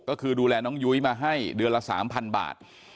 ก็คือดูแลน้องยุ้ยมาให้เดือนละ๓๐๐บาท